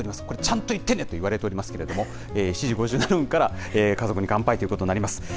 これ、ちゃんと言ってねと言われておりますけれども、７時５７分から、家族に乾杯ということになります。